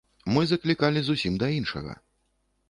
Мы заклікалі зусім да іншага.